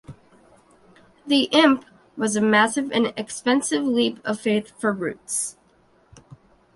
The Imp was a massive and expensive leap of faith for Rootes.